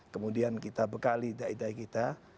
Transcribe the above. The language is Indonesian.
kemudian kita bekali daidai kita